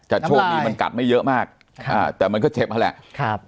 แต่โชคดีมันกัดไม่เยอะมากแต่มันก็เจ็บนั่นแหละครับ